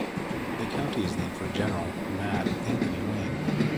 The county is named for General "Mad" Anthony Wayne.